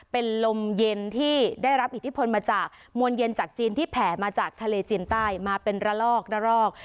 เป็นลมเย็นที่ได้รับอิทธิพลมาจากมวลเย็นจากจีนที่แผ่มาจากทะเลจีนใต้มาเป็นระลอกระรอก